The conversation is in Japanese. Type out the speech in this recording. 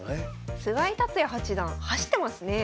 菅井竜也八段走ってますね。